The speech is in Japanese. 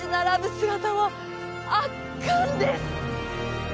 姿は圧巻です！